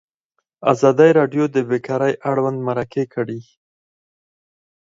ازادي راډیو د بیکاري اړوند مرکې کړي.